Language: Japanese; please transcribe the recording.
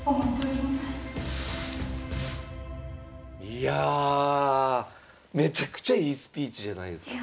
いやめちゃくちゃいいスピーチじゃないですか。